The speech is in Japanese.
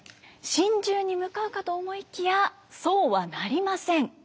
心中に向かうかと思いきやそうはなりません。